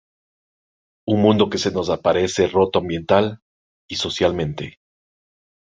un mundo que se nos aparece roto ambiental y socialmente